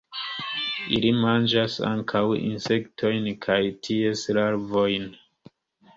Ili manĝas ankaŭ insektojn kaj ties larvojn.